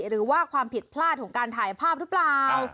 หรือว่าความผิดพลาดของการถ่ายภาพหรือเปล่า